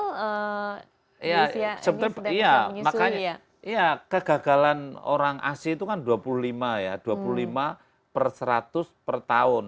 iya iya sebetulnya makanya iya kegagalan orang asli itu kan dua puluh lima ya dua puluh lima per seratus per tahun